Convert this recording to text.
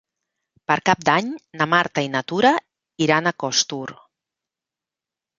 Per Cap d'Any na Marta i na Tura iran a Costur.